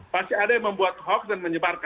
pasti ada yang membuat hoax dan menyebarkan